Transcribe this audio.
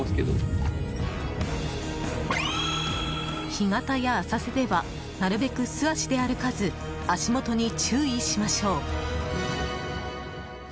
干潟や浅瀬ではなるべく素足で歩かず足元に注意しましょう。